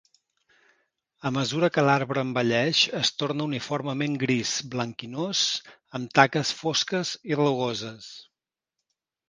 A mesura que l'arbre envelleix es torna uniformement gris blanquinós amb taques fosques i rugoses.